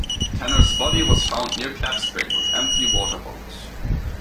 Tanner's body was found near Clapp Spring with empty water bottles.